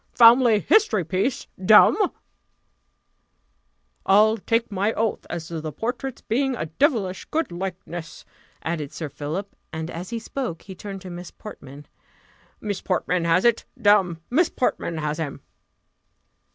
family history piece, damme!" "I'll take my oath as to the portrait's being a devilish good likeness," added Sir Philip; and as he spoke, he turned to Miss Portman: "Miss Portman has it! damme, Miss Portman has him!"